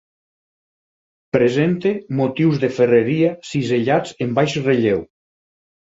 Presenta motius de ferreria cisellats en baix relleu.